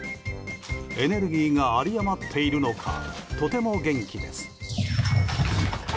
エネルギーがあり余っているのかとても元気です。